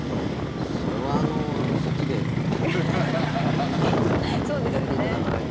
それは、そっちでやっていただかないと。